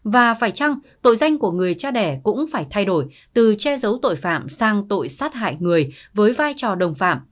và phải chăng tội danh của người cha đẻ cũng phải thay đổi từ che giấu tội phạm sang tội sát hại người với vai trò đồng phạm